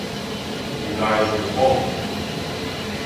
有來有往